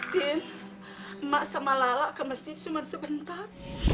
din emak sama lala ke masjid cuman sebentar